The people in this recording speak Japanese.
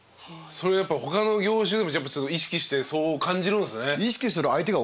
やっぱ他の業種でも意識してそう感じるんすね。